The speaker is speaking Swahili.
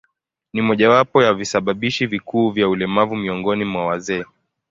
Ni mojawapo ya visababishi vikuu vya ulemavu miongoni mwa wazee.